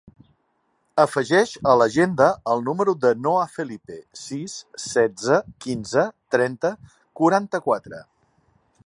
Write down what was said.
Afegeix a l'agenda el número del Noah Felipe: sis, setze, quinze, trenta, quaranta-quatre.